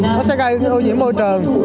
nó sẽ gây ưu nhiễm môi trường